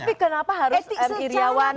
tapi kenapa harus anggir iwan